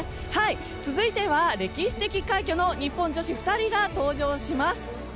続いては、歴史的快挙の日本女子２人が登場します。